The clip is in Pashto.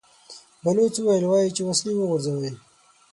بلوڅ وويل: وايي چې وسلې وغورځوئ!